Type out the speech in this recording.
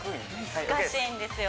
難しいんですよ